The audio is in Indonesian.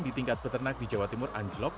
di tingkat peternak di jawa timur anjlok